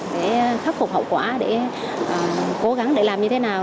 để khắc phục hậu quả để cố gắng để làm như thế nào